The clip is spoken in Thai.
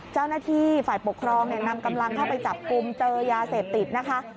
เจ้าหน้าที่ฝ่ายปกครองนำกำลังเข้าไปจับกลุ่มเจอยาเสพติดนะคะ